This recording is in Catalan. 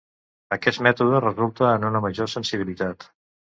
Aquest mètode resulta en una major sensibilitat.